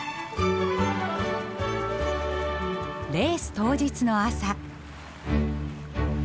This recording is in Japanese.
レース当日の朝。